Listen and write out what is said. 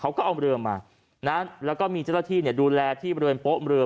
เขาก็เอาเมลือมานะฮะแล้วก็มีเจ้าท่าที่เนี่ยดูแลที่บริเวณโป๊ะเมลือ